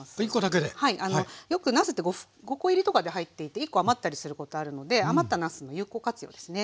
よくなすって５コ入りとかで入っていて１コ余ったりすることあるので余ったなすの有効活用ですね。